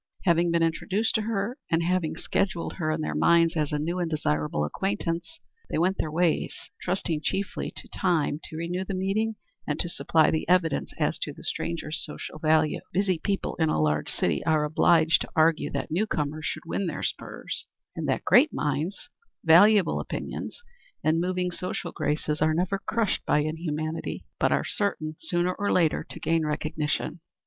Having been introduced to her and having scheduled her in their minds as a new and desirable acquaintance, they went their ways, trusting chiefly to time to renew the meeting and to supply the evidence as to the stranger's social value. Busy people in a large city are obliged to argue that new comers should win their spurs, and that great minds, valuable opinions, and moving social graces are never crushed by inhumanity, but are certain sooner or later to gain recognition.